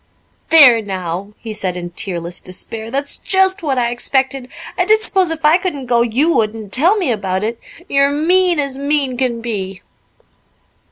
"There now!" he said in tearless despair. "That's just what I expected. I did s'pose if I couldn't go you would, and tell me about it. You're mean as mean can be."